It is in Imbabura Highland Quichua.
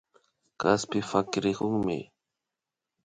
Kaspita pakirikunmi